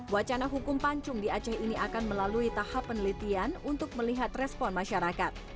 wacana hukum pancung di aceh ini akan melalui tahap penelitian untuk melihat respon masyarakat